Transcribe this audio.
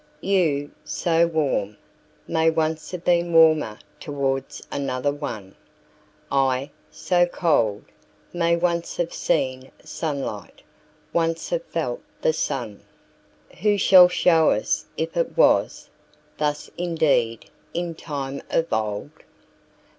You, so warm, may once have beenWarmer towards another one:I, so cold, may once have seenSunlight, once have felt the sun:Who shall show us if it wasThus indeed in time of old?